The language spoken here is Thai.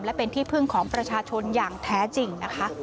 และเป็นที่พึ่งของประชาชนอย่างแท้จริงนะคะ